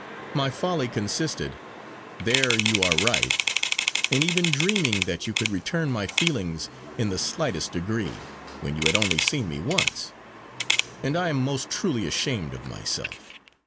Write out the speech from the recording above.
My folly consisted there you are right in even dreaming that you could return my feelings in the slightest degree, when you had only seen me once: and I am most truly ashamed of myself.